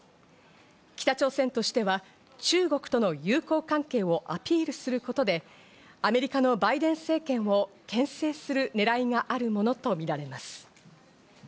北朝鮮としては中国との友好関係をアピールすることでアメリカのバイデン政権を牽制するねらいがあるものとみられます。